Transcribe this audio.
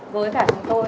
với cả chúng tôi